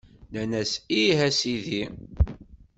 Nnan-as Ih, a Sidi!